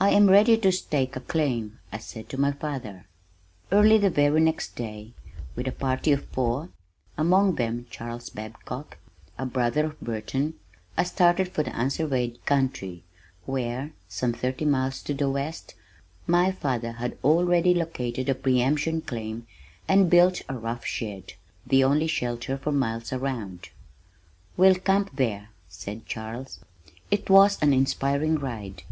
"I am ready to stake a claim," I said to my father. Early the very next day, with a party of four (among them Charles Babcock, a brother of Burton), I started for the unsurveyed country where, some thirty miles to the west, my father had already located a pre emption claim and built a rough shed, the only shelter for miles around. "We'll camp there," said Charles. It was an inspiring ride!